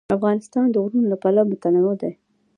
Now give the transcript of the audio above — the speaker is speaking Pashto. افغانستان د غرونه له پلوه متنوع دی.